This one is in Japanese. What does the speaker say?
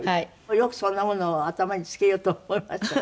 よくそんなものを頭に着けようと思いましたね。